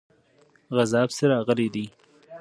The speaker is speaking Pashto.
غزا پسې راغلی دی.